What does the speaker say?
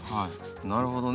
なるほどね。